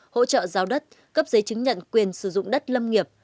hỗ trợ giao đất cấp giấy chứng nhận quyền sử dụng đất lâm nghiệp